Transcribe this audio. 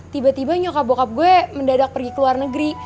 tiba tiba nyokap bokap gue mendadak pergi ke luar negeri